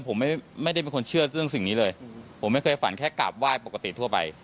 ผมไม่เคยฝันแค่กราบไหว้ปกติทั่วไป